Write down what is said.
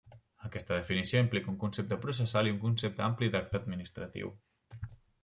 Aquesta definició implica un concepte processal i un concepte ampli d'acte administratiu.